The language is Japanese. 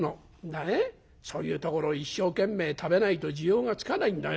ねえそういうところ一生懸命食べないと滋養がつかないんだよ。